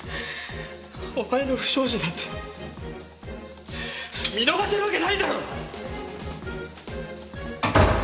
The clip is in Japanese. お前の不祥事なんて見逃せるわけないだろ！